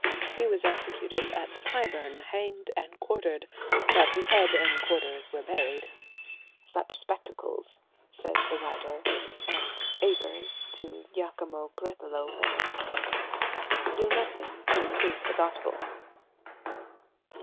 He was executed at Tyburn, hanged and quartered, but his head and quarters were buried. "Such spectacles," says the writer, Ant. Aivers, to Giacomo Creleto, Venice, "do nothing increase the gospel.